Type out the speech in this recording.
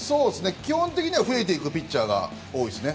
基本的には増えていくピッチャーが多いですね。